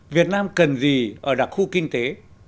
việt nam cần gì ở đặc khu kinh tế